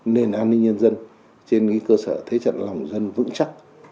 nền an ninh nhân dân trên cơ sở thế trận lòng dân vững chắc